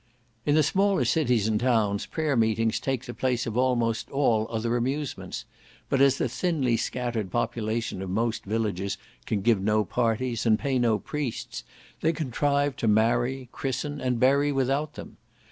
In the smaller cities and towns prayer meetings take the place of almost all other amusements; but as the thinly scattered population of most villages can give no parties, and pay no priests, they contrive to marry, christen, and bury without them.